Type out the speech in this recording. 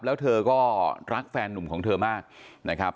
แล้วเธอก็รักแฟนนุ่มของเธอมากนะครับ